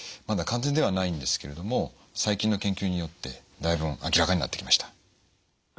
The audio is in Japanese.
まだ完全ではないんですけれども最近の研究によってだいぶ明らかになってきました。